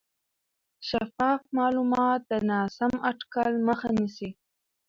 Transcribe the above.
شفاف معلومات د ناسم اټکل مخه نیسي.